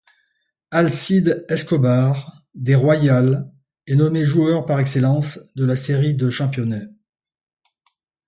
Alcides Escobar, des Royals, est nommé joueur par excellence de la Série de championnat.